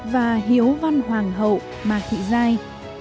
và hiếu văn hoàng hậu mạc thị giai